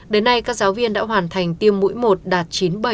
đến nay các giáo viên đã hoàn thành tiêm mũi một đạt chín mươi bảy